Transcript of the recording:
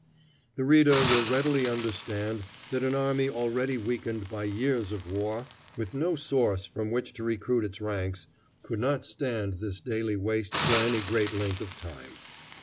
The reader will readily understand that an army already weakened by years of war, with no source from which to recruit its ranks, could not stand this daily waste for any great length of time.